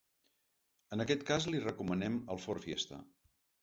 En aquest cas li recomanem el FordFiesta.